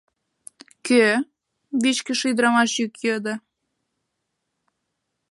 — Кӧ? — вичкыж ӱдырамаш йӱк йодо.